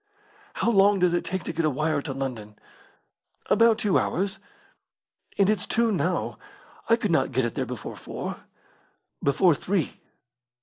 "How long does it take to get a wire to London?" "About two hours." "And it's two now. I could not get it there before four." "Before three."